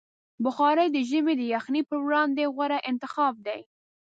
بخاري د ژمي د یخنۍ پر وړاندې غوره انتخاب دی.